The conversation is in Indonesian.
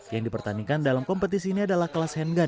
yang dipertandingkan dalam kompetisi ini adalah kelas handgar